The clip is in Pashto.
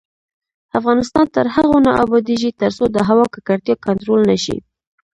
افغانستان تر هغو نه ابادیږي، ترڅو د هوا ککړتیا کنټرول نشي.